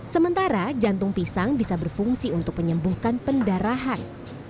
sementara jantung pisang bisa berfungsi untuk menyembuhkan pendarahan